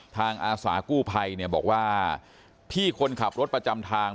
อาสากู้ภัยเนี่ยบอกว่าพี่คนขับรถประจำทาง